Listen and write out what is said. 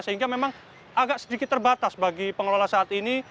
sehingga memang agak sedikit terbatas bagi pengelola saat ini